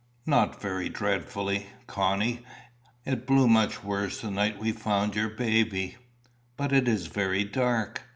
"Not very dreadfully, Connie. It blew much worse the night we found your baby." "But it is very dark."